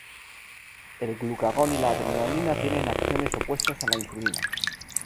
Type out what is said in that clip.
El glucagón y la adrenalina tienen acciones opuestas a la insulina.